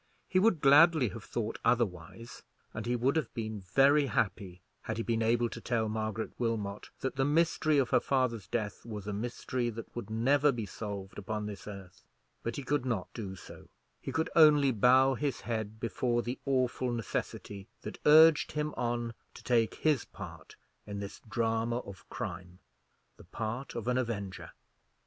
He would gladly have thought otherwise: and he would have been very happy had he been able to tell Margaret Wilmot that the mystery of her father's death was a mystery that would never be solved upon this earth: but he could not do so; he could only bow his head before the awful necessity that urged him on to take his part in this drama of crime—the part of an avenger.